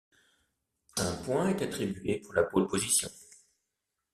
Un point est attribué pour la pole position.